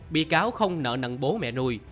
bị cáo không nợ nặng bố mẹ nuôi